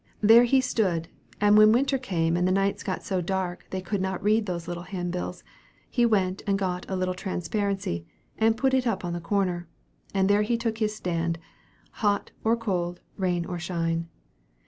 There he stood, and when winter came and the nights got so dark they could not read those little handbills, he went and got a little transparency and put it up on the corner, and there he took his stand, hot or cold, rain or shine.